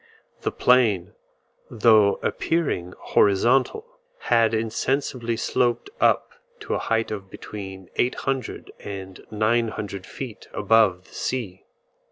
The plain, though appearing horizontal, had insensibly sloped up to a height of between 800 and 900 feet above the sea.